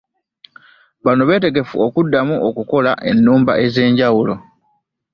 Bano beetegefu okuddamu okukola ennumba ez'enjawulo.